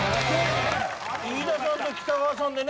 飯田さんと北川さんでね